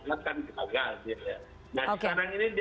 tapi kalau mereka menjadi role play dia sudah mau reaksikan belum ready